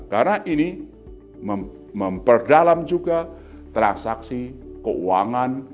karena ini memperdalam juga transaksi keuangan